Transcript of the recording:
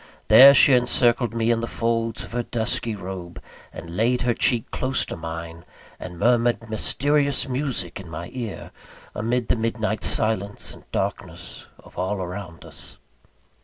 There, she encircled me in the folds of her dusky robe, and laid her cheek close to mine, and murmured a mysterious music in my ear, amid the midnight silence and darkness of all around us.